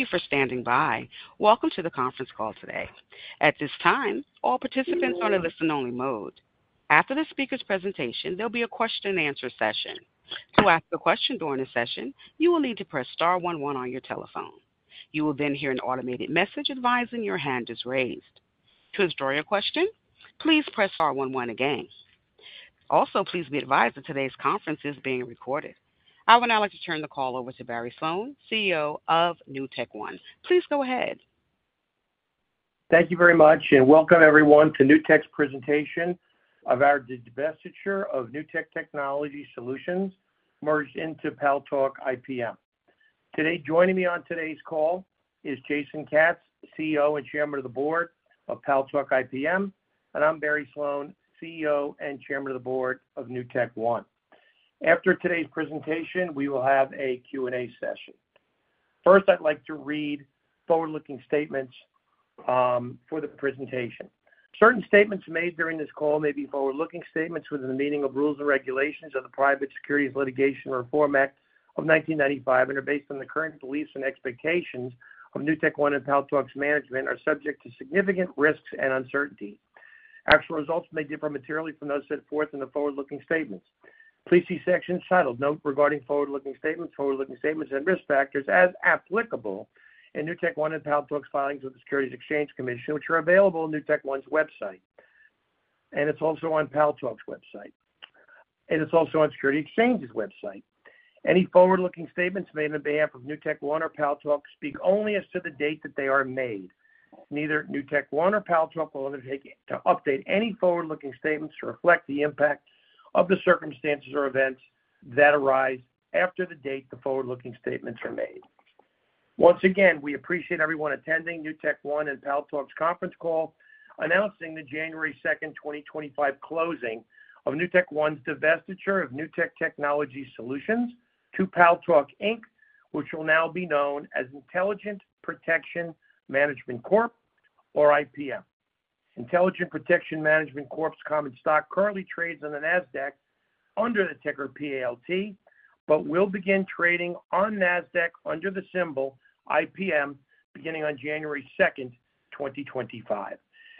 Thank you for standing by. Welcome to the conference call today. At this time, all participants are in a listen-only mode. After the speaker's presentation, there'll be a question-and-answer session. To ask a question during the session, you will need to press star 11 on your telephone. You will then hear an automated message advising your hand is raised. To withdraw your question, please press star 11 again. Also, please be advised that today's conference is being recorded. I would now like to turn the call over to Barry Sloane, CEO of NewtekOne. Please go ahead. Thank you very much, and welcome everyone to Newtek's presentation of our divestiture of Newtek Technology Solutions merged into Paltalk IPM. Today, joining me on today's call is Jason Katz, CEO and Chairman of the Board of Paltalk IPM, and I'm Barry Sloane, CEO and Chairman of the Board of NewtekOne. After today's presentation, we will have a Q&A session. First, I'd like to read forward-looking statements for the presentation. Certain statements made during this call may be forward-looking statements within the meaning of rules and regulations of the Private Securities Litigation Reform Act of 1995 and are based on the current beliefs and expectations of NewtekOne and Paltalk's management, are subject to significant risks and uncertainty. Actual results may differ materially from those set forth in the forward-looking statements. Please see sections titled Note Regarding Forward-Looking Statements, Forward-Looking Statements, and Risk Factors as Applicable in NewtekOne and Paltalk's filings with the Securities and Exchange Commission, which are available on NewtekOne's website, and it's also on Paltalk's website, and it's also on Securities and Exchange Commission's website. Any forward-looking statements made on behalf of NewtekOne or Paltalk speak only as to the date that they are made. Neither NewtekOne nor Paltalk will undertake to update any forward-looking statements to reflect the impact of the circumstances or events that arise after the date the forward-looking statements are made. Once again, we appreciate everyone attending NewtekOne and Paltalk's conference call, announcing the January 2nd, 2025, closing of NewtekOne's divestiture of Newtek Technology Solutions to Paltalk, Inc., which will now be known as Intelligent Protection Management Corp., or IPM. Intelligent Protection Management Corp.'s common stock currently trades on the NASDAQ under the ticker PALT, but will begin trading on NASDAQ under the symbol IPM beginning on January 2nd, 2025.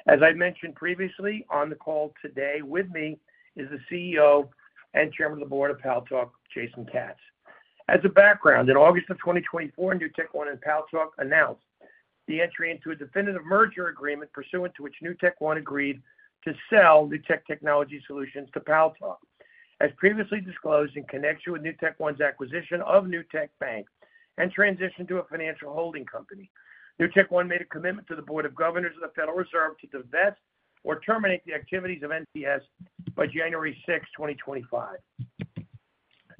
As I mentioned previously, on the call today with me is the CEO and Chairman of the Board of Paltalk, Jason Katz. As a background, in August of 2024, NewtekOne and Paltalk announced the entry into a definitive merger agreement pursuant to which NewtekOne agreed to sell Newtek Technology Solutions to Paltalk. As previously disclosed, in connection with NewtekOne's acquisition of Newtek Bank and transition to a financial holding company, NewtekOne made a commitment to the Board of Governors of the Federal Reserve to divest or terminate the activities of NTS by January 6th, 2025.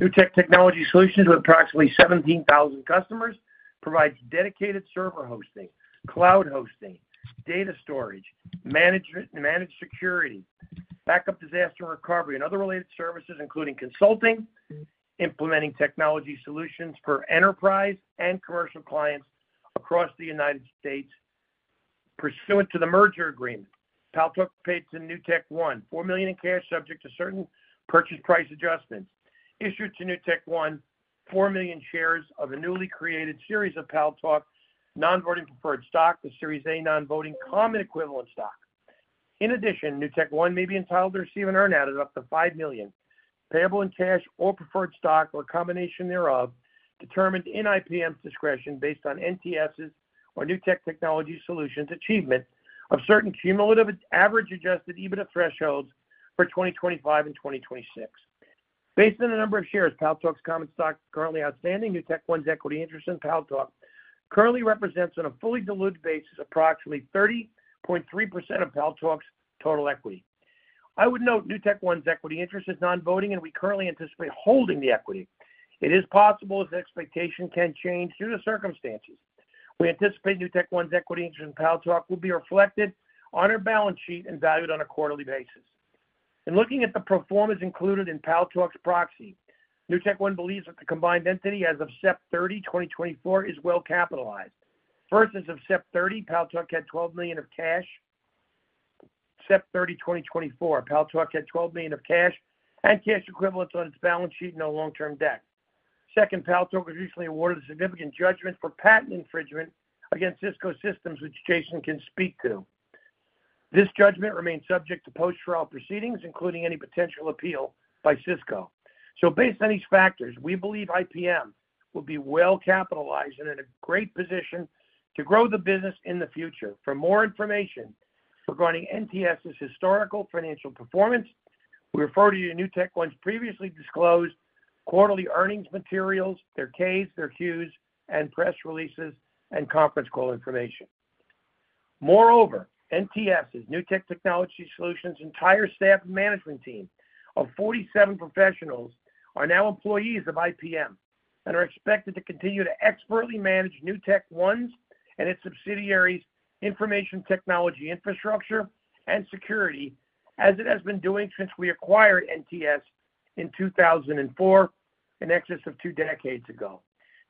Newtek Technology Solutions, with approximately 17,000 customers, provides dedicated server hosting, cloud hosting, data storage, managed security, backup, disaster recovery, and other related services, including consulting, implementing technology solutions for enterprise and commercial clients across the United States. Pursuant to the merger agreement, Paltalk paid to NewtekOne $4 million in cash, subject to certain purchase price adjustments. Issued to NewtekOne 4 million shares of a newly created series of Paltalk, non-voting preferred stock, the Series A Non-Voting Common Equivalent Stock. In addition, NewtekOne may be entitled to receive an earn-out of up to $5 million, payable in cash or preferred stock, or a combination thereof, determined in IPM's discretion based on NTS's or Newtek Technology Solutions' achievement of certain cumulative average adjusted EBITDA thresholds for 2025 and 2026. Based on the number of shares, Paltalk's common stock currently outstanding, NewtekOne's equity interest in Paltalk currently represents, on a fully diluted basis, approximately 30.3% of Paltalk's total equity. I would note NewtekOne's equity interest is non-voting, and we currently anticipate holding the equity. It is possible as expectations can change due to circumstances. We anticipate NewtekOne's equity interest in Paltalk will be reflected on our balance sheet and valued on a quarterly basis. In looking at the performance included in Paltalk's proxy, NewtekOne believes that the combined entity as of September 30, 2024, is well capitalized. First, as of September 30, Paltalk had $12 million of cash. September 30, 2024, Paltalk had $12 million of cash and cash equivalents on its balance sheet and no long-term debt. Second, Paltalk was recently awarded a significant judgment for patent infringement against Cisco Systems, which Jason can speak to. This judgment remains subject to post-trial proceedings, including any potential appeal by Cisco. So based on these factors, we believe IPM will be well capitalized and in a great position to grow the business in the future. For more information regarding NTS's historical financial performance, we refer you to NewtekOne's previously disclosed quarterly earnings materials, their K's, their Q's, and press releases and conference call information. Moreover, NTS's Newtek Technology Solutions' entire staff and management team of 47 professionals are now employees of IPM and are expected to continue to expertly manage NewtekOne's and its subsidiaries' information technology infrastructure and security, as it has been doing since we acquired NTS in 2004, in excess of two decades ago.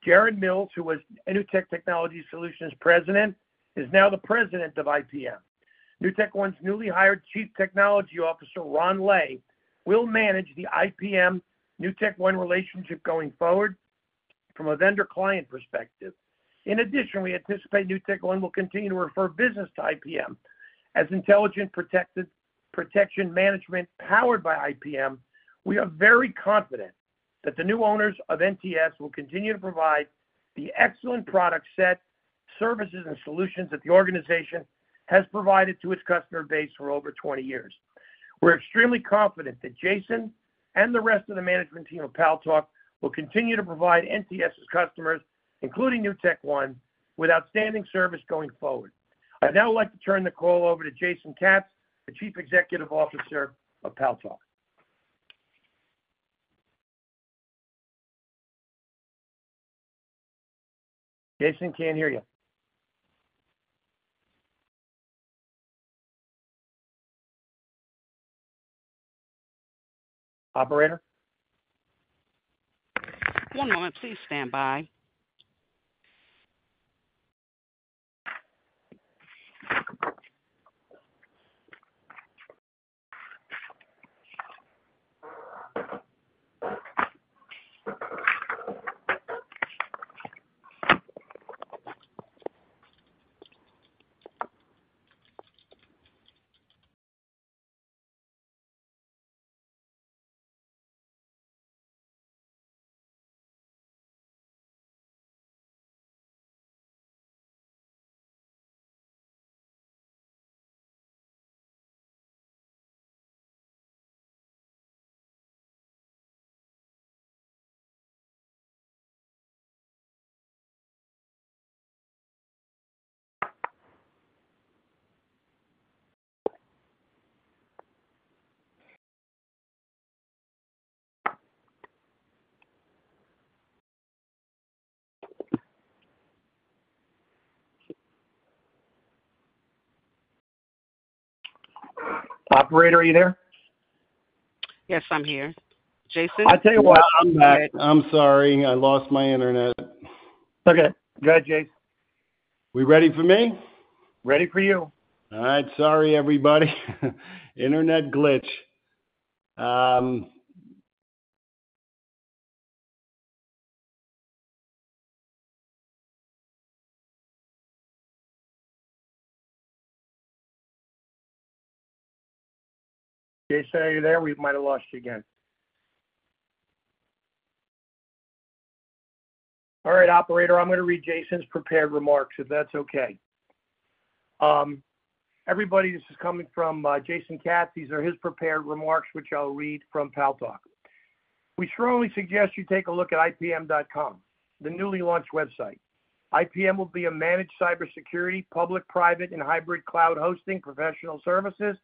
Jared Mills, who was a Newtek Technology Solutions President, is now the President of IPM. NewtekOne's newly hired Chief Technology Officer, Ron Ley, will manage the IPM-NewtekOne relationship going forward from a vendor-client perspective. In addition, we anticipate NewtekOne will continue to refer business to IPM. As Intelligent Protection Management powered by IPM, we are very confident that the new owners of NTS will continue to provide the excellent product set, services, and solutions that the organization has provided to its customer base for over 20 years. We're extremely confident that Jason and the rest of the management team of Paltalk will continue to provide NTS's customers, including NewtekOne, with outstanding service going forward. I'd now like to turn the call over to Jason Katz, the Chief Executive Officer of Paltalk. Jason, can't hear you. Operator? One moment, please stand by. Operator, are you there? Yes, I'm here. Jason? I'll tell you what, I'm back. I'm sorry, I lost my internet. Okay. Go ahead, Jason. We ready for me? Ready for you. All right. Sorry, everybody. Internet glitch. Jason, are you there? We might have lost you again. All right, Operator, I'm going to read Jason's prepared remarks, if that's okay. Everybody, this is coming from Jason Katz. These are his prepared remarks, which I'll read from Paltalk. "We strongly suggest you take a look at ipm.com, the newly launched website. IPM will be a managed cybersecurity, public, private, and hybrid cloud hosting professional services,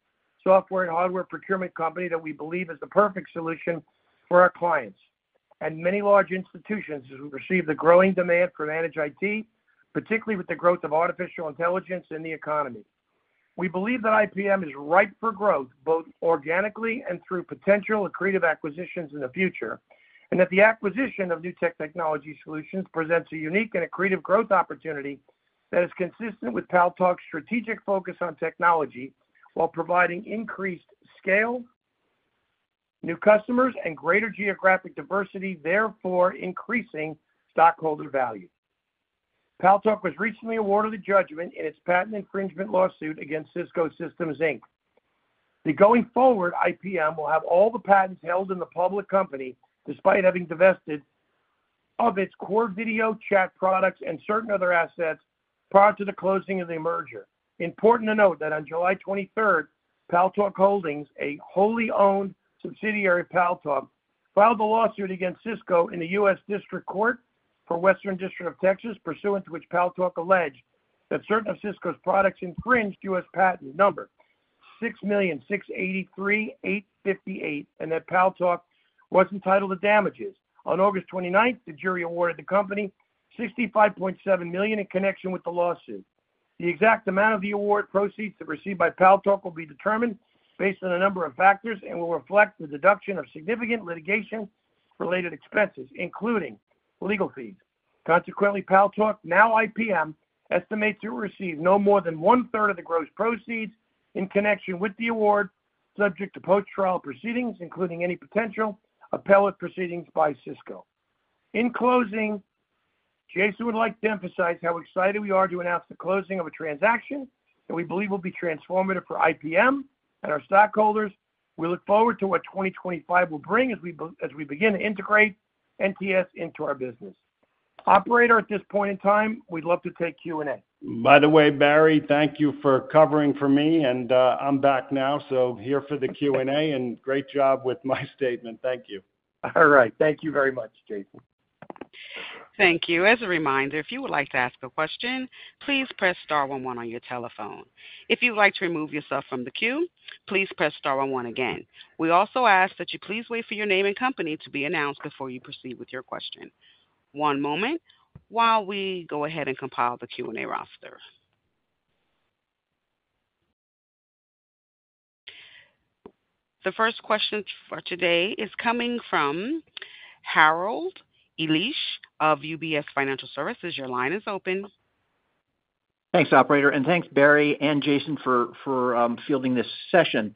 software, and hardware procurement company that we believe is the perfect solution for our clients and many large institutions as we receive the growing demand for managed IT, particularly with the growth of artificial intelligence in the economy. We believe that IPM is ripe for growth, both organically and through potential accretive acquisitions in the future, and that the acquisition of Newtek Technology Solutions presents a unique and accretive growth opportunity that is consistent with Paltalk's strategic focus on technology while providing increased scale, new customers, and greater geographic diversity, therefore increasing stockholder value. Paltalk was recently awarded a judgment in its patent infringement lawsuit against Cisco Systems, Inc. The going-forward IPM will have all the patents held in the public company despite having divested of its core video chat products and certain other assets prior to the closing of the merger. Important to note that on July 23rd, Paltalk Holdings, a wholly-owned subsidiary of Paltalk, filed a lawsuit against Cisco in the U.S. District Court for Western District of Texas, pursuant to which Paltalk alleged that certain of Cisco's products infringed U.S. Patent number 6,683,858 and that Paltalk was entitled to damages. On August 29th, the jury awarded the company $65.7 million in connection with the lawsuit. The exact amount of the award proceeds to be received by Paltalk will be determined based on a number of factors and will reflect the deduction of significant litigation-related expenses, including legal fees. Consequently, Paltalk, now IPM, estimates it will receive no more than one-third of the gross proceeds in connection with the award, subject to post-trial proceedings, including any potential appellate proceedings by Cisco. In closing, Jason would like to emphasize how excited we are to announce the closing of a transaction that we believe will be transformative for IPM and our stockholders. We look forward to what 2025 will bring as we begin to integrate NTS into our business. Operator, at this point in time, we'd love to take Q&A. By the way, Barry, thank you for covering for me, and I'm back now, so here for the Q&A, and great job with my statement. Thank you. All right. Thank you very much, Jason. Thank you. As a reminder, if you would like to ask a question, please press star 11 on your telephone. If you'd like to remove yourself from the queue, please press star 11 again. We also ask that you please wait for your name and company to be announced before you proceed with your question. One moment while we go ahead and compile the Q&A roster. The first question for today is coming from Harold Illich of UBS Financial Services. Your line is open. Thanks, Operator, and thanks, Barry and Jason, for fielding this session.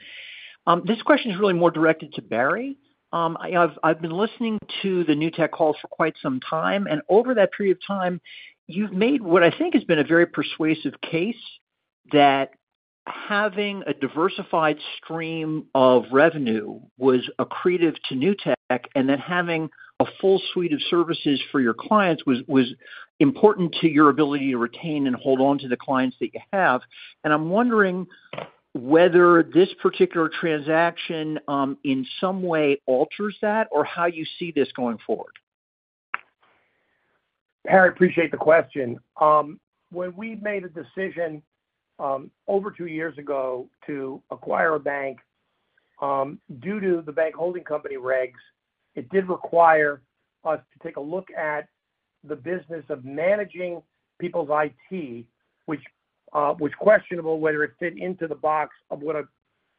This question is really more directed to Barry. I've been listening to the Newtek calls for quite some time, and over that period of time, you've made what I think has been a very persuasive case that having a diversified stream of revenue was accretive to Newtek and that having a full suite of services for your clients was important to your ability to retain and hold on to the clients that you have, and I'm wondering whether this particular transaction in some way alters that or how you see this going forward. Harold, I appreciate the question. When we made a decision over two years ago to acquire a bank due to the bank holding company regs, it did require us to take a look at the business of managing people's IT, which was questionable whether it fit into the box of what a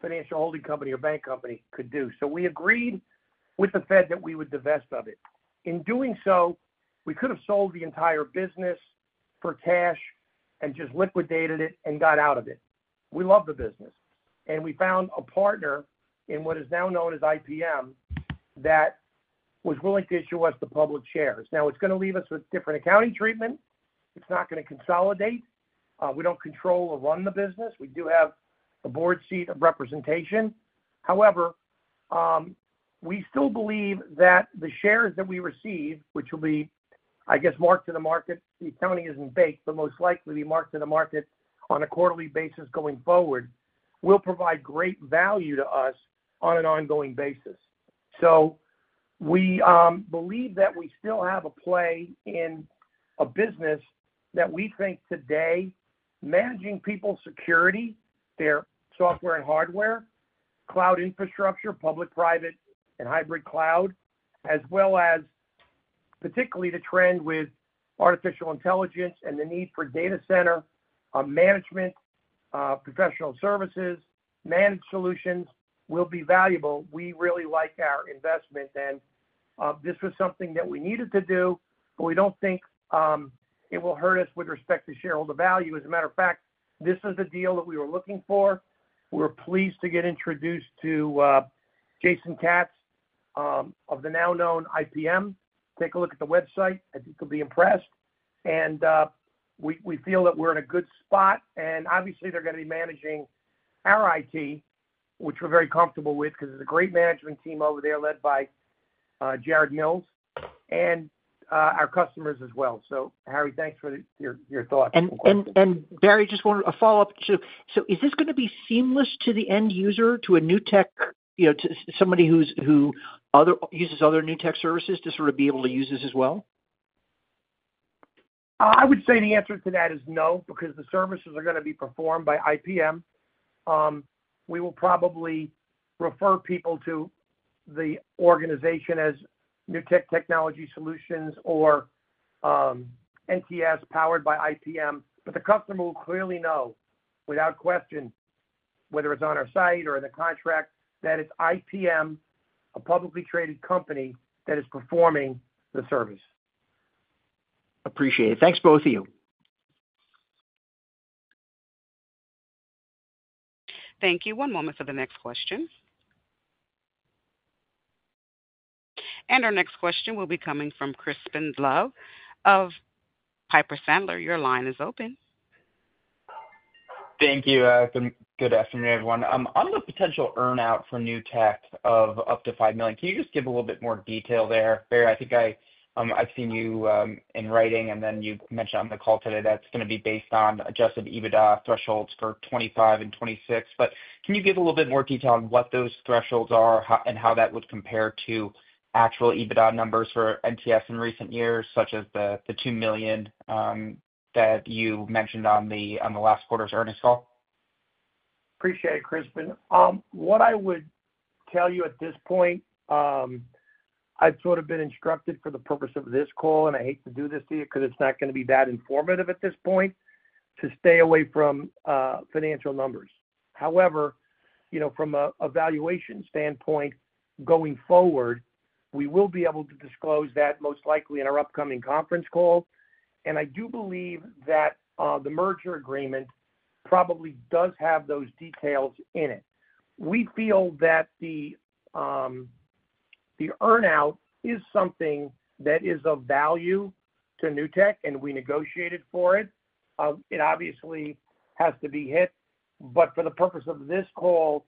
financial holding company or bank company could do. So we agreed with the Fed that we would divest of it. In doing so, we could have sold the entire business for cash and just liquidated it and got out of it. We loved the business, and we found a partner in what is now known as IPM that was willing to issue us the public shares. Now, it's going to leave us with different accounting treatment. It's not going to consolidate. We don't control or run the business. We do have a board seat of representation. However, we still believe that the shares that we receive, which will be, I guess, marked to the market, the accounting isn't baked, but most likely will be marked to the market on a quarterly basis going forward, will provide great value to us on an ongoing basis. So we believe that we still have a play in a business that we think today managing people's security, their software and hardware, cloud infrastructure, public, private, and hybrid cloud, as well as particularly the trend with artificial intelligence and the need for data center management, professional services, managed solutions will be valuable. We really like our investment, and this was something that we needed to do, but we don't think it will hurt us with respect to shareholder value. As a matter of fact, this is the deal that we were looking for. We're pleased to get introduced to Jason Katz of the now-known IPM. Take a look at the website. I think you'll be impressed, and we feel that we're in a good spot, and obviously, they're going to be managing our IT, which we're very comfortable with because there's a great management team over there led by Jared Mills and our customers as well. Harry, thanks for your thoughts. Barry, just a follow-up. Is this going to be seamless to the end user, to a Newtek, to somebody who uses other Newtek services to sort of be able to use this as well? I would say the answer to that is no because the services are going to be performed by IPM. We will probably refer people to the organization as Newtek Technology Solutions or NTS powered by IPM, but the customer will clearly know without question, whether it's on our site or in the contract, that it's IPM, a publicly traded company that is performing the service. Appreciate it. Thanks both of you. Thank you. One moment for the next question. And our next question will be coming from Crispin Love of Piper Sandler. Your line is open. Thank you. Good afternoon, everyone. On the potential earnout for Newtek of up to $5 million, can you just give a little bit more detail there? Barry, I think I've seen you in writing, and then you mentioned on the call today that's going to be based on Adjusted EBITDA thresholds for 2025 and 2026. But can you give a little bit more detail on what those thresholds are and how that would compare to actual EBITDA numbers for NTS in recent years, such as the $2 million that you mentioned on the last quarter's earnings call? Appreciate it, Crispin. What I would tell you at this point, I've sort of been instructed for the purpose of this call, and I hate to do this to you because it's not going to be that informative at this point, to stay away from financial numbers. However, from a valuation standpoint, going forward, we will be able to disclose that most likely in our upcoming conference call, and I do believe that the merger agreement probably does have those details in it. We feel that the earnout is something that is of value to Newtek, and we negotiated for it. It obviously has to be hit, but for the purpose of this call,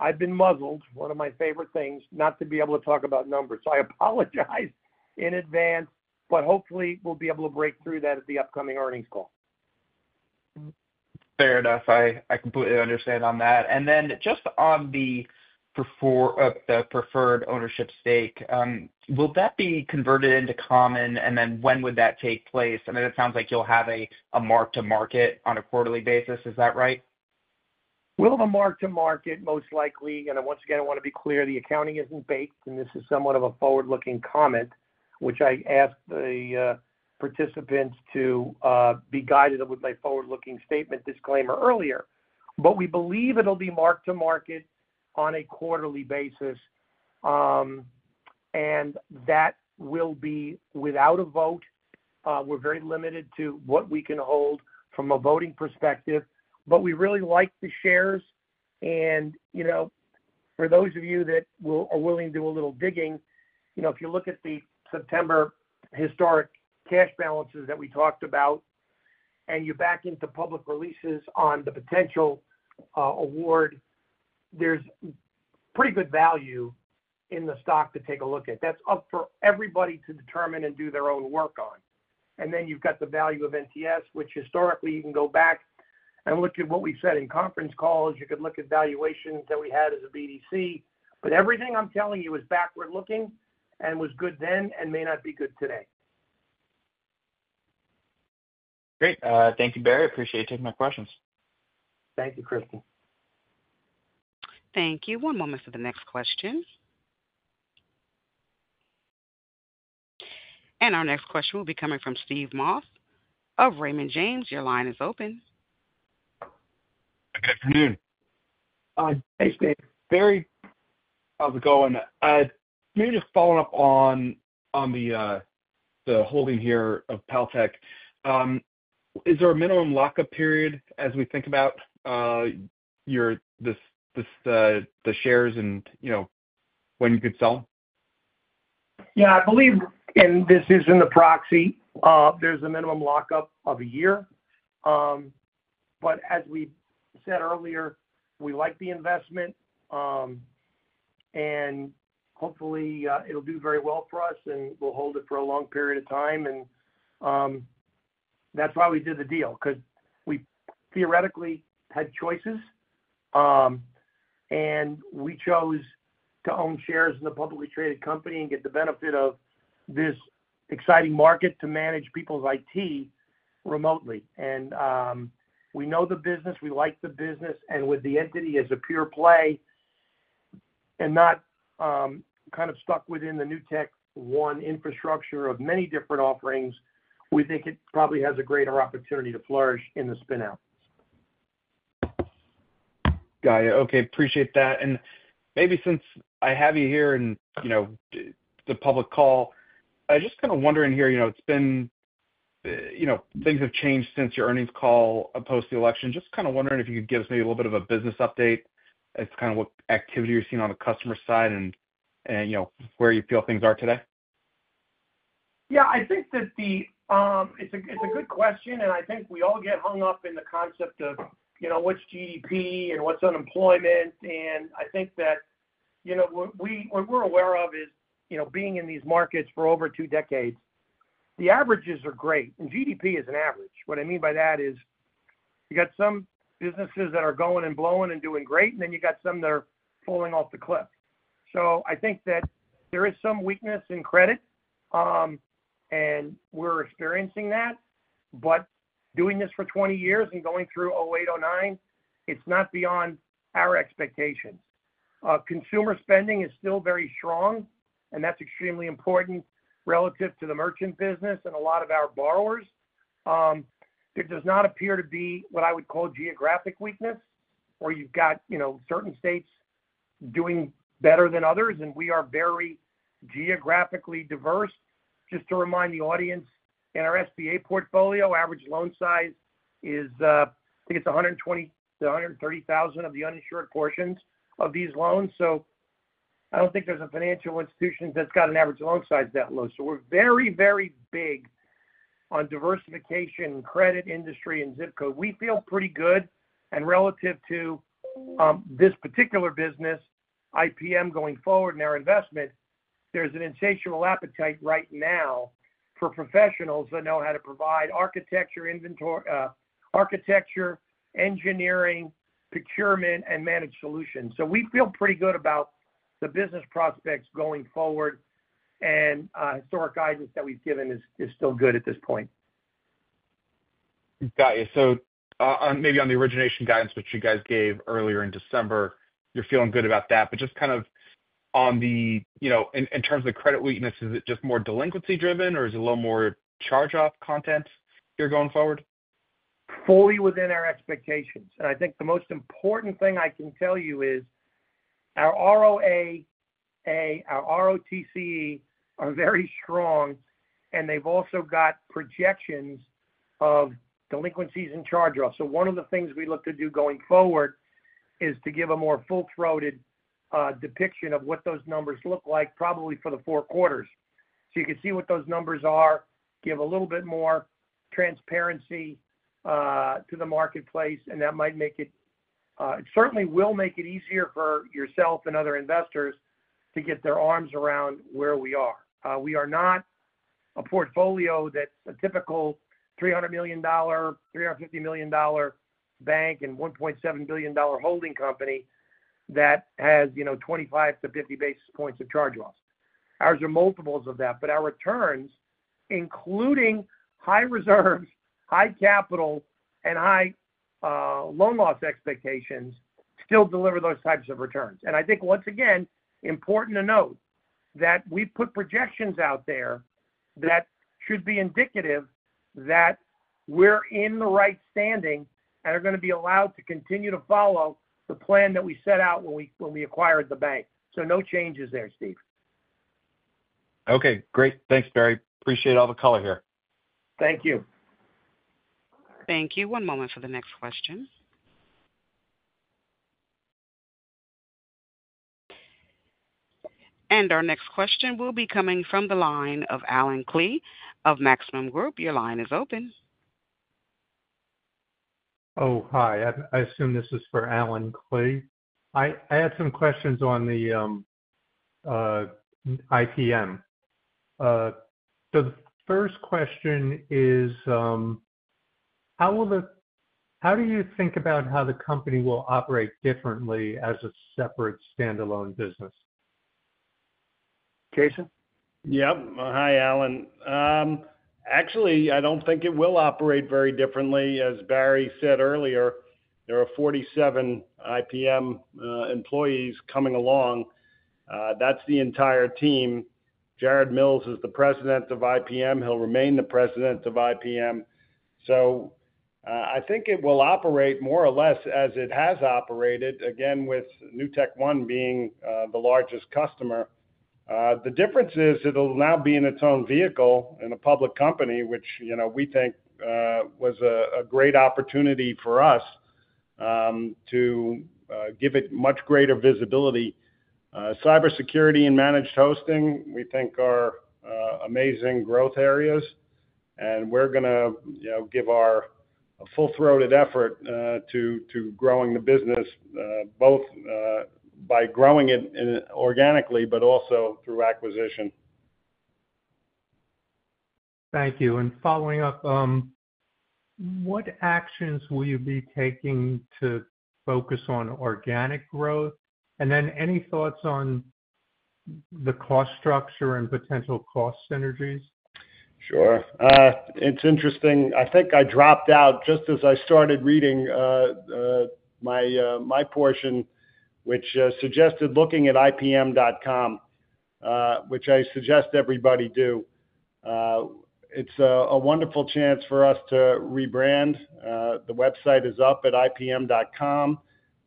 I've been muzzled. One of my favorite things is not to be able to talk about numbers, so I apologize in advance, but hopefully, we'll be able to break through that at the upcoming earnings call. Fair enough. I completely understand on that, and then just on the preferred ownership stake, will that be converted into common, and then when would that take place? I mean, it sounds like you'll have a mark-to-market on a quarterly basis. Is that right? We'll have a Mark-to-Market most likely. And once again, I want to be clear, the accounting isn't baked, and this is somewhat of a forward-looking comment, which I asked the participants to be guided with my forward-looking statement disclaimer earlier. But we believe it'll be marked to market on a quarterly basis, and that will be without a vote. We're very limited to what we can hold from a voting perspective, but we really like the shares. And for those of you that are willing to do a little digging, if you look at the September historic cash balances that we talked about and you back into public releases on the potential award, there's pretty good value in the stock to take a look at. That's up for everybody to determine and do their own work on. And then you've got the value of NTS, which historically, you can go back and look at what we said in conference calls. You could look at valuations that we had as a BDC, but everything I'm telling you is backward-looking and was good then and may not be good today. Great. Thank you, Barry. Appreciate you taking my questions. Thank you, Crispin. Thank you. One moment for the next question. And our next question will be coming from Steve Moss of Raymond James. Your line is open. Good afternoon. Hi, Steve. Barry, how's it going? Maybe just following up on the holding here of Paltalk, is there a minimum lock-up period as we think about the shares and when you could sell? Yeah. I believe in this is in the proxy, there's a minimum lock-up of a year. But as we said earlier, we like the investment, and hopefully, it'll do very well for us, and we'll hold it for a long period of time. And that's why we did the deal because we theoretically had choices, and we chose to own shares in the publicly traded company and get the benefit of this exciting market to manage people's IT remotely. And we know the business. We like the business. And with the entity as a pure play and not kind of stuck within the NewtekOne infrastructure of many different offerings, we think it probably has a greater opportunity to flourish in the spin-out. Got it. Okay. Appreciate that. And maybe since I have you here in the public call, I'm just kind of wondering here. It's been things have changed since your earnings call post-election. Just kind of wondering if you could give us maybe a little bit of a business update as to kind of what activity you're seeing on the customer side and where you feel things are today. Yeah. I think that it's a good question, and I think we all get hung up in the concept of what's GDP and what's unemployment. And I think that what we're aware of is being in these markets for over two decades, the averages are great. And GDP is an average. What I mean by that is you got some businesses that are going and blowing and doing great, and then you got some that are falling off the cliff. So I think that there is some weakness in credit, and we're experiencing that. But doing this for 20 years and going through 2008, 2009, it's not beyond our expectations. Consumer spending is still very strong, and that's extremely important relative to the merchant business and a lot of our borrowers. There does not appear to be what I would call geographic weakness, or you've got certain states doing better than others, and we are very geographically diverse. Just to remind the audience, in our SBA portfolio, average loan size is, I think it's $120,000-$130,000 of the uninsured portions of these loans. So I don't think there's a financial institution that's got an average loan size that low. So we're very, very big on diversification, credit industry, and ZIP code. We feel pretty good. And relative to this particular business, IPM going forward in our investment, there's an insatiable appetite right now for professionals that know how to provide architecture, engineering, procurement, and managed solutions. So we feel pretty good about the business prospects going forward, and historic guidance that we've given is still good at this point. Got you. So maybe on the origination guidance, which you guys gave earlier in December, you're feeling good about that. But just kind of in terms of the credit weakness, is it just more delinquency-driven, or is it a little more charge-off content here going forward? Fully within our expectations. And I think the most important thing I can tell you is our ROAA, our ROTCE are very strong, and they've also got projections of delinquencies and charge-offs. So one of the things we look to do going forward is to give a more full-throated depiction of what those numbers look like probably for the four quarters. So you can see what those numbers are, give a little bit more transparency to the marketplace, and that might make it certainly will make it easier for yourself and other investors to get their arms around where we are. We are not a portfolio that's a typical $300 million, $350 million bank and $1.7 billion holding company that has 25-50 basis points of charge-offs. Ours are multiples of that, but our returns, including high reserves, high capital, and high loan loss expectations, still deliver those types of returns. And I think, once again, important to note that we put projections out there that should be indicative that we're in the right standing and are going to be allowed to continue to follow the plan that we set out when we acquired the bank. So no changes there, Steve. Okay. Great. Thanks, Barry. Appreciate all the color here. Thank you. Thank you. One moment for the next question. And our next question will be coming from the line of Alan Klee of Maxim Group. Your line is open. Oh, hi. I assume this is for Allen Klee. I had some questions on the IPM. So the first question is, how do you think about how the company will operate differently as a separate standalone business? Jason? Yep. Hi, Alan. Actually, I don't think it will operate very differently. As Barry said earlier, there are 47 IPM employees coming along. That's the entire team. Jared Mills is the President of IPM. He'll remain the President of IPM. So I think it will operate more or less as it has operated, again, with NewtekOne being the largest customer. The difference is it'll now be in its own vehicle in a public company, which we think was a great opportunity for us to give it much greater visibility. Cybersecurity and managed hosting, we think, are amazing growth areas, and we're going to give our full-throated effort to growing the business, both by growing it organically but also through acquisition. Thank you. And following up, what actions will you be taking to focus on organic growth? And then, any thoughts on the cost structure and potential cost synergies? Sure. It's interesting. I think I dropped out just as I started reading my portion, which suggested looking at IPM.com, which I suggest everybody do. It's a wonderful chance for us to rebrand. The website is up at IPM.com.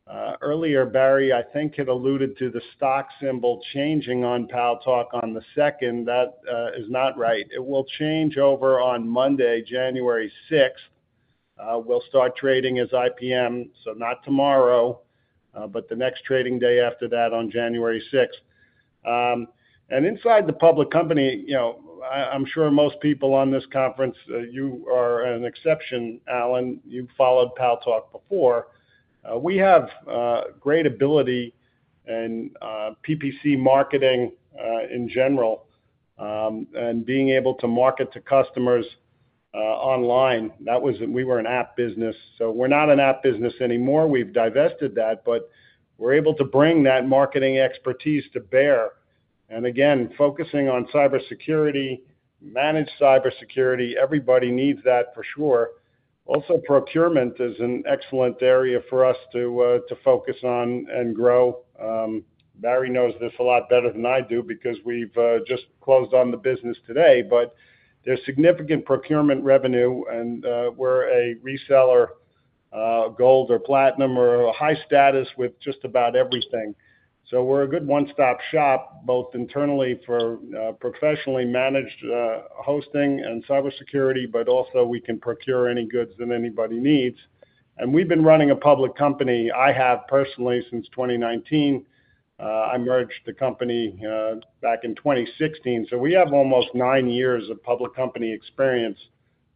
Earlier, Barry, I think, had alluded to the stock symbol changing on Paltalk on the 2nd. That is not right. It will change over on Monday, January 6th. We'll start trading as IPM, so not tomorrow, but the next trading day after that on January 6th. And inside the public company, I'm sure most people on this conference, you are an exception, Alan. You've followed Paltalk before. We have great ability in PPC marketing in general and being able to market to customers online. We were an app business, so we're not an app business anymore. We've divested that, but we're able to bring that marketing expertise to bear. And again, focusing on cybersecurity, managed cybersecurity, everybody needs that for sure. Also, procurement is an excellent area for us to focus on and grow. Barry knows this a lot better than I do because we've just closed on the business today, but there's significant procurement revenue, and we're a reseller, gold or platinum, or high status with just about everything. So we're a good one-stop shop, both internally for professionally managed hosting and cybersecurity, but also we can procure any goods that anybody needs. And we've been running a public company. I have personally since 2019. I merged the company back in 2016. So we have almost nine years of public company experience.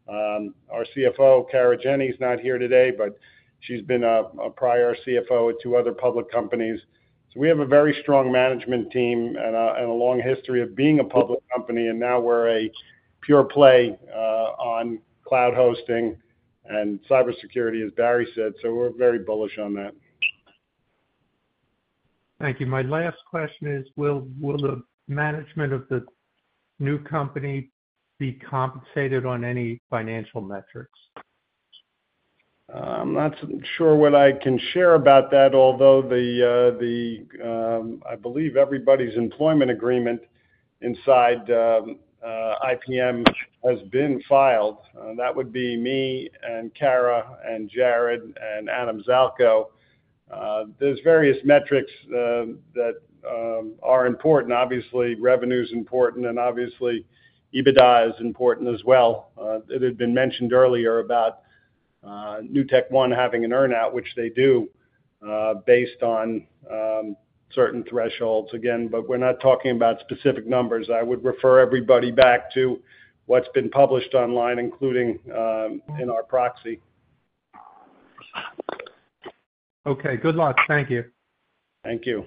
Our CFO, Kara Jenny, is not here today, but she's been a prior CFO at two other public companies. So we have a very strong management team and a long history of being a public company, and now we're a pure play on cloud hosting and cybersecurity, as Barry said. So we're very bullish on that. Thank you. My last question is, will the management of the new company be compensated on any financial metrics? I'm not sure what I can share about that, although I believe everybody's employment agreement inside IPM has been filed. That would be me and Kara and Jared and Adam Zalko. There's various metrics that are important. Obviously, revenue is important, and obviously, EBITDA is important as well. It had been mentioned earlier about NewtekOne having an earn-out, which they do based on certain thresholds. Again, but we're not talking about specific numbers. I would refer everybody back to what's been published online, including in our proxy. Okay. Good luck. Thank you. Thank you.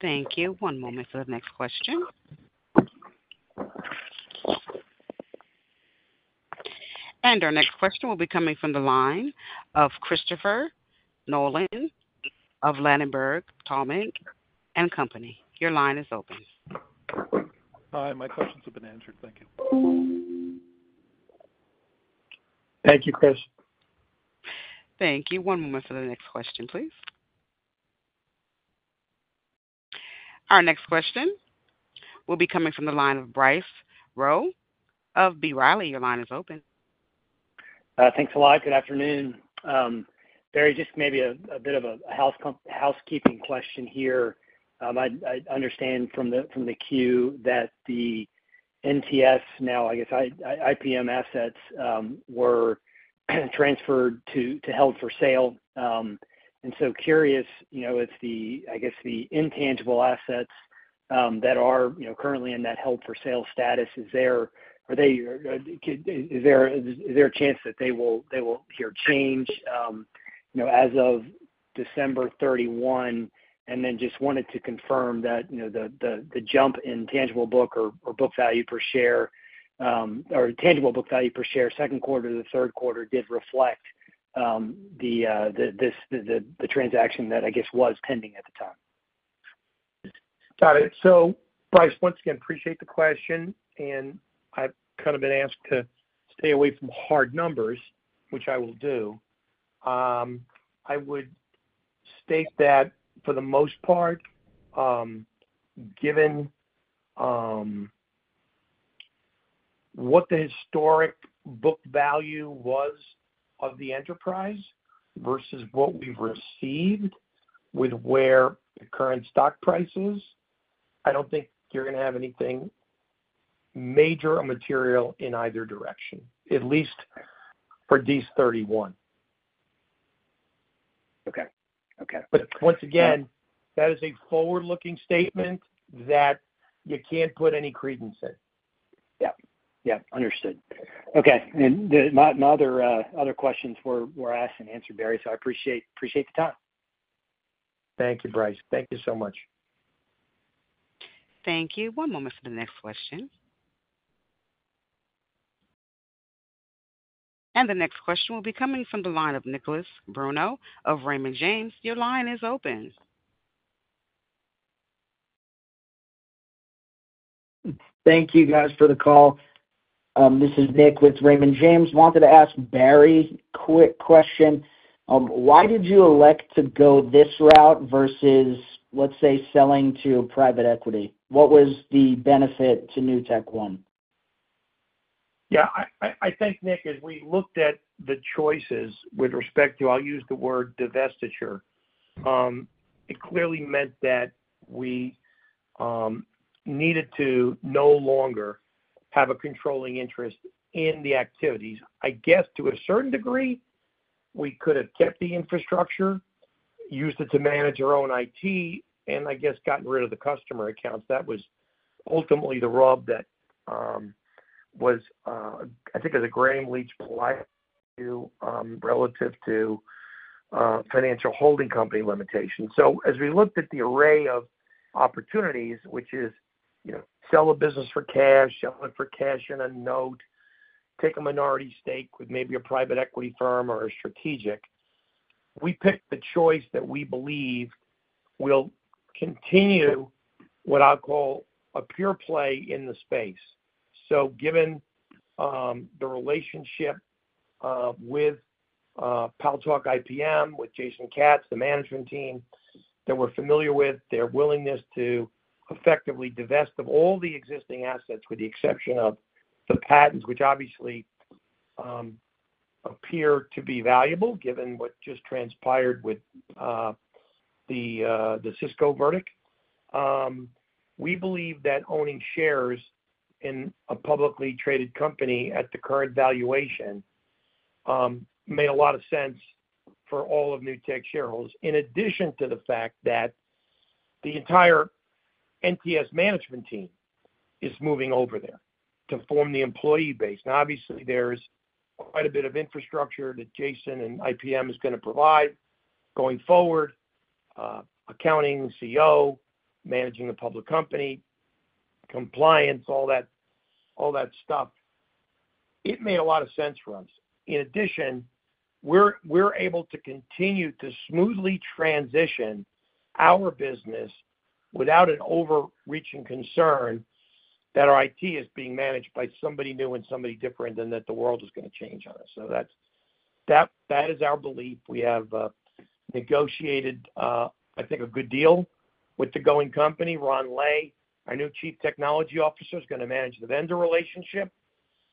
Thank you. One moment for the next question. And our next question will be coming from the line of Christopher Nolan of Ladenburg Thalmann and Company. Your line is open. Hi. My questions have been answered. Thank you. Thank you, Chris. Thank you. One moment for the next question, please. Our next question will be coming from the line of Bryce Rowe of B. Riley. Your line is open. Thanks a lot. Good afternoon. Barry, just maybe a bit of a housekeeping question here. I understand from the queue that the NTS, now I guess IPM assets were transferred to held for sale. And so curious if the, I guess, the intangible assets that are currently in that held for sale status is there, is there a chance that they will here change as of December 31? And then just wanted to confirm that the jump in tangible book or book value per share or tangible book value per share, second quarter to the third quarter did reflect the transaction that, I guess, was pending at the time. Got it. So Bryce, once again, appreciate the question. And I've kind of been asked to stay away from hard numbers, which I will do. I would state that for the most part, given what the historic book value was of the enterprise versus what we've received with where the current stock price is, I don't think you're going to have anything major or material in either direction, at least for DIS31. Okay. Okay. But once again, that is a forward-looking statement that you can't put any credence in. Yeah. Yeah. Understood. Okay. And my other questions were asked and answered, Barry. So I appreciate the time. Thank you, Bryce. Thank you so much. Thank you. One moment for the next question. And the next question will be coming from the line of Nicholas Bruno of Raymond James. Your line is open. Thank you, guys, for the call. This is Nick with Raymond James. Wanted to ask Barry a quick question. Why did you elect to go this route versus, let's say, selling to private equity? What was the benefit to NewtekOne? Yeah. I think, Nick, as we looked at the choices with respect to, I'll use the word divestiture, it clearly meant that we needed to no longer have a controlling interest in the activities. I guess to a certain degree, we could have kept the infrastructure, used it to manage our own IT, and I guess gotten rid of the customer accounts. That was ultimately the rub that was, I think, as agreed in legal parlance relative to financial holding company limitations. So as we looked at the array of opportunities, which is sell a business for cash, sell it for cash in a note, take a minority stake with maybe a private equity firm or a strategic, we picked the choice that we believe will continue what I'll call a pure play in the space. So given the relationship with Paltalk IPM, with Jason Katz, the management team that we're familiar with, their willingness to effectively divest of all the existing assets with the exception of the patents, which obviously appear to be valuable given what just transpired with the Cisco verdict, we believe that owning shares in a publicly traded company at the current valuation made a lot of sense for all of Newtek shareholders, in addition to the fact that the entire NTS management team is moving over there to form the employee base. And obviously, there's quite a bit of infrastructure that Jason and IPM is going to provide going forward, accounting, CEO, managing a public company, compliance, all that stuff. It made a lot of sense for us. In addition, we're able to continue to smoothly transition our business without an overreaching concern that our IT is being managed by somebody new and somebody different and that the world is going to change on us. So that is our belief. We have negotiated, I think, a good deal with the going company. Ron Ley, our new Chief Technology Officer, is going to manage the vendor relationship.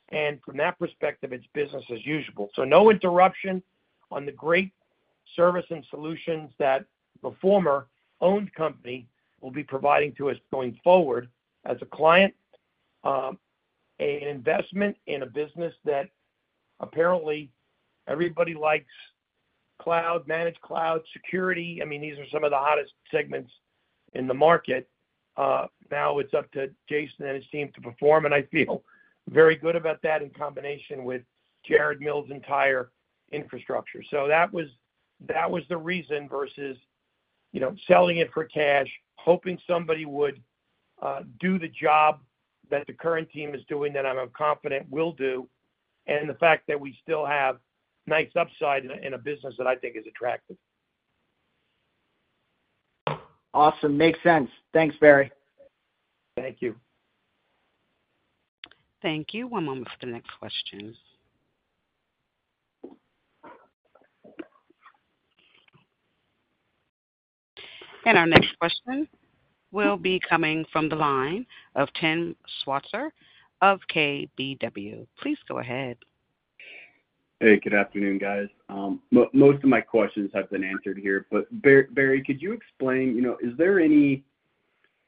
And from that perspective, it's business as usual. So no interruption on the great service and solutions that the former owned company will be providing to us going forward as a client, an investment in a business that apparently everybody likes, cloud, managed cloud, security. I mean, these are some of the hottest segments in the market. Now it's up to Jason and his team to perform, and I feel very good about that in combination with Jared Mills's entire infrastructure. So that was the reason versus selling it for cash, hoping somebody would do the job that the current team is doing that I'm confident will do, and the fact that we still have nice upside in a business that I think is attractive. Awesome. Makes sense. Thanks, Barry. Thank you. Thank you. One moment for the next question. And our next question will be coming from the line of Tim Switzer of KBW. Please go ahead. Hey, good afternoon, guys. Most of my questions have been answered here. But Barry, could you explain, is there any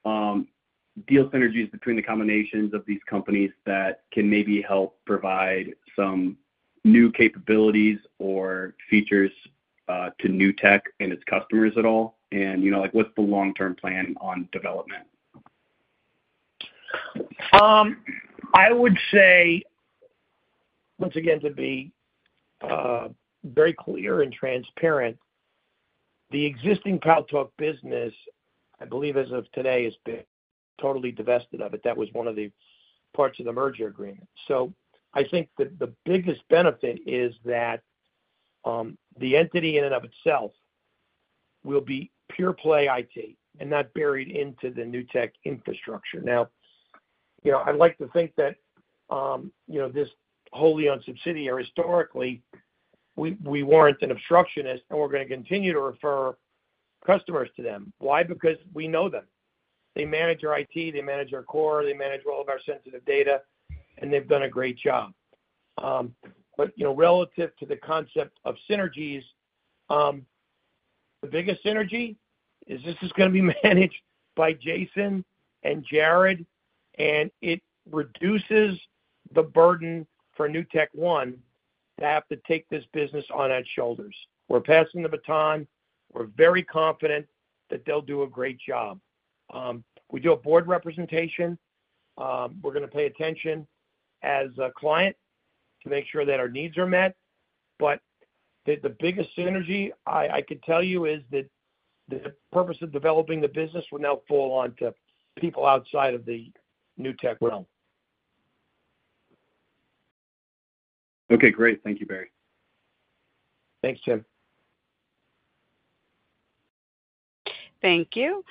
deal synergies between the combinations of these companies that can maybe help provide some new capabilities or features to Newtek and its customers at all? And what's the long-term plan on development? I would say, once again, to be very clear and transparent, the existing Paltalk business, I believe as of today, has been totally divested of it. That was one of the parts of the merger agreement. So I think that the biggest benefit is that the entity in and of itself will be pure play IT and not buried into the Newtek infrastructure. Now, I'd like to think that this wholly owned subsidiary historically, we weren't an obstructionist, and we're going to continue to refer customers to them. Why? Because we know them. They manage our IT, they manage our core, they manage all of our sensitive data, and they've done a great job. But relative to the concept of synergies, the biggest synergy is this is going to be managed by Jason and Jared, and it reduces the burden for NewtekOne to have to take this business on its shoulders. We're passing the baton. We're very confident that they'll do a great job. We do a board representation. We're going to pay attention as a client to make sure that our needs are met. But the biggest synergy, I could tell you, is that the purpose of developing the business will now fall onto people outside of the NewtekOne. Okay. Great. Thank you, Barry. Thanks, Tim. Thank you.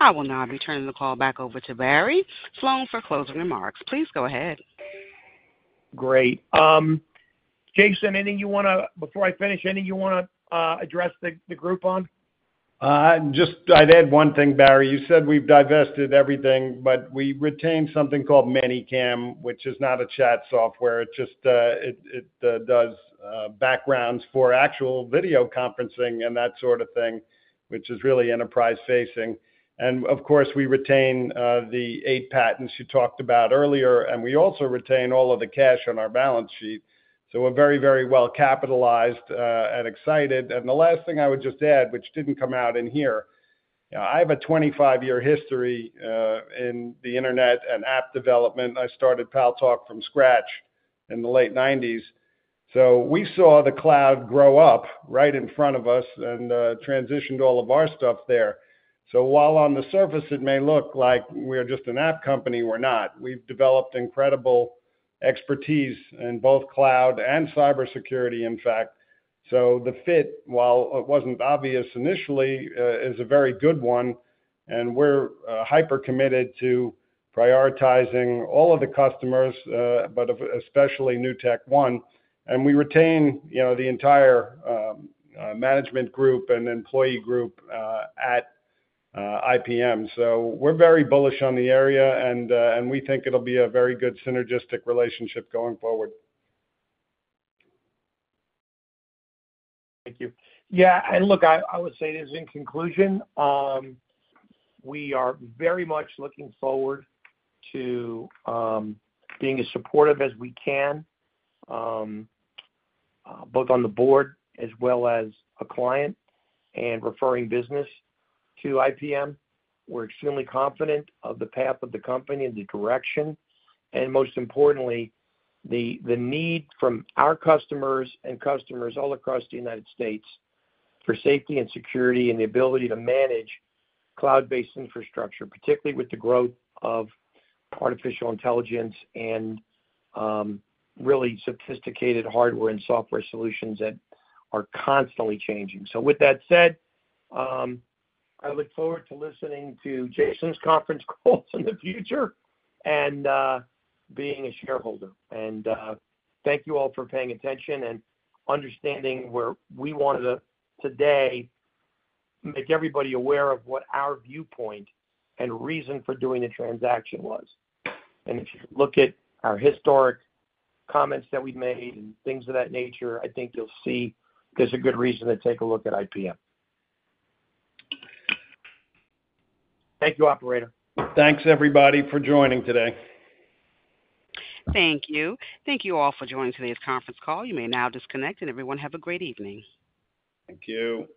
I will now be turning the call back over to Barry Sloan for closing remarks. Please go ahead. Great. Jason, anything you want to before I finish, anything you want to address the group on? Just, I'd add one thing, Barry. You said we've divested everything, but we retain something called ManyCam, which is not a chat software. It just does backgrounds for actual video conferencing and that sort of thing, which is really enterprise-facing. And of course, we retain the eight patents you talked about earlier, and we also retain all of the cash on our balance sheet. So we're very, very well capitalized and excited. And the last thing I would just add, which didn't come out in here, I have a 25-year history in the internet and app development. I started Paltalk from scratch in the late 1990s. So we saw the cloud grow up right in front of us and transitioned all of our stuff there. So while on the surface, it may look like we're just an app company, we're not. We've developed incredible expertise in both cloud and cybersecurity, in fact. So the fit, while it wasn't obvious initially, is a very good one. And we're hyper-committed to prioritizing all of the customers, but especially NewtekOne. And we retain the entire management group and employee group at IPM. So we're very bullish on the area, and we think it'll be a very good synergistic relationship going forward. Thank you. Yeah. And look, I would say this in conclusion, we are very much looking forward to being as supportive as we can, both on the board as well as a client and referring business to IPM. We're extremely confident of the path of the company and the direction. And most importantly, the need from our customers and customers all across the United States for safety and security and the ability to manage cloud-based infrastructure, particularly with the growth of artificial intelligence and really sophisticated hardware and software solutions that are constantly changing. So with that said, I look forward to listening to Jason's conference calls in the future and being a shareholder. And thank you all for paying attention and understanding where we wanted to today make everybody aware of what our viewpoint and reason for doing the transaction was. If you look at our historic comments that we've made and things of that nature, I think you'll see there's a good reason to take a look at IPM. Thank you, Operator. Thanks, everybody, for joining today. Thank you. Thank you all for joining today's conference call. You may now disconnect, and everyone have a great evening. Thank you.